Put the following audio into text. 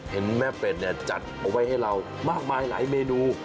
เห็นแม่เป็ดเนี่ยจัดเอาไว้ให้เรามากมายหลายเมนู